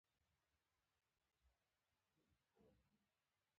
دریمه د امریکا د میخانیکي انجینری ټولنه وه.